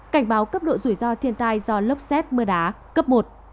cảnh báo cấp độ rủi ro thiên tai do lốc xét mưa đá cấp một